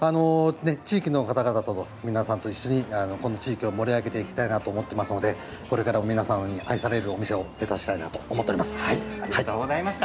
地域の方々の皆さんとこの地域を盛り上げていきたいなと思っておりますのでこれからも皆さんに愛されるお店を目指したいなと思っています。